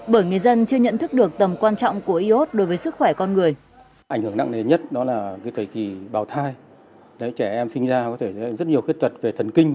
bởi người dân chưa nhận thức được tầm quan trọng của iốt đối với sức khỏe con người